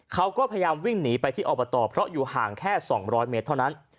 เขาก็พยายามวิ่งหนีไปที่อบตเพราะอยู่ห่างแค่๒๐๐เมตรเท่านั้น